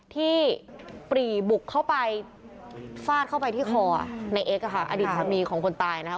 ปรีบุกเข้าไปฟาดเข้าไปที่คอในเอ็กซ์อดีตสามีของคนตายนะคะ